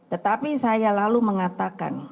tetapi saya lalu mengatakan